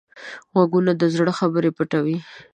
غوږونه د زړه خبرې پټوي